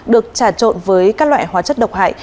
được trà trộn với các loại hóa chất độc hại